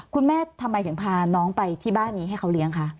ทำไมถึงพาน้องไปที่บ้านนี้ให้เขาเลี้ยงคะ